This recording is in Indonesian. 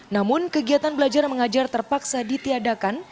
namun kegiatan belajar mengajar terpaksa ditiadakan